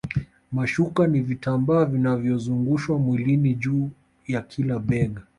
Mashuka ni vitambaa vinavyozungushwa mwilini juu ya kila bega